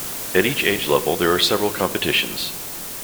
At each age level there are several competitions.